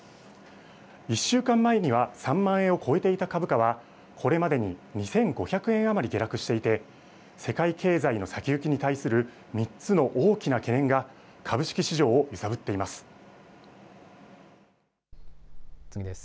１週間前には３万円を超えていた株価はこれまでに２５００円余り下落していて世界経済の先行きに対する３つの大きな懸念が株式市場を揺さぶっています。